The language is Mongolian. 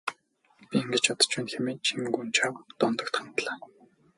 Би ингэж бодож байна хэмээн Чингүнжав Дондогт хандлаа.